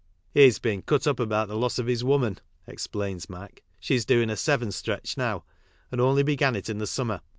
« He has been cut up about the loss of his woman," explains Mac. bhe is doing a seven stretch now, and only began it in summer.